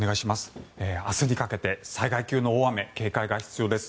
明日にかけて災害級の大雨に警戒が必要です。